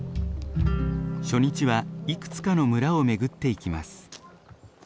初日はいくつかの村を巡っていきます。